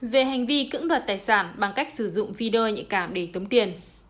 về hành vi cưỡng đoạt tài sản bằng cách sử dụng video nhạy cảm để tống tiền